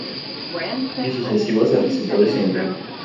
En años sucesivos el resultado es similar.